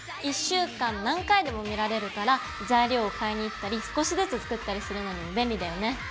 １週間何回でも見られるから材料を買いに行ったり少しずつ作ったりするのにも便利だよね。